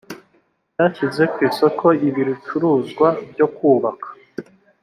cyashyize ku isoko ibirucuruzwa byo ku baka